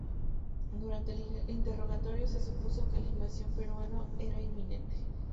Durante el interrogatorio, se supo que la invasión peruana era inminente.